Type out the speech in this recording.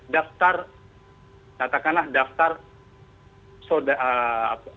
daftar katakanlah daftar soda apa